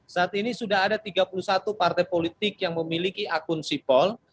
saat ini sudah ada tiga puluh satu partai politik yang memiliki akun sipol